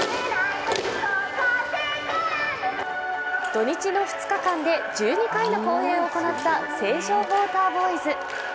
土日の２日間で１２回の公演を行った成城ウォーターボーイズ。